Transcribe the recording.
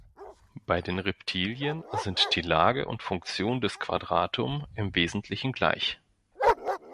Bei den „Reptilien“ sind die Lage und Funktion des Quadratum im Wesentlichen gleich.